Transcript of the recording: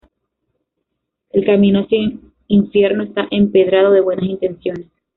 El camino hacia infierno está empedrado de buenas intenciones